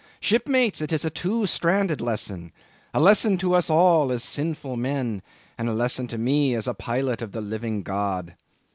Shipmates, it is a two stranded lesson; a lesson to us all as sinful men, and a lesson to me as a pilot of the living God.